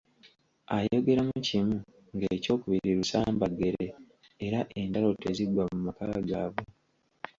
Ayogeramu kimu ng'ekyokubiri lusambaggere era entalo teziggwa mu maka gaabwe!